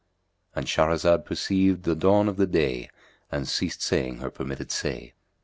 —And Shahrazad perceived the dawn of day and ceased saying her permitted say.